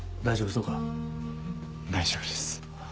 大丈夫です。